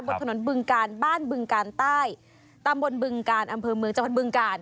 บนถนนบึงการบ้านบึงกาลใต้ตำบลบึงกาลอำเภอเมืองจังหวัดบึงกาล